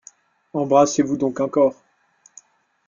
Embrassez-vous donc encore.